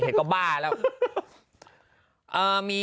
เช็ดแรงไปนี่